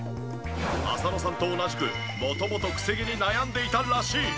浅野さんと同じく元々クセ毛に悩んでいたらしい。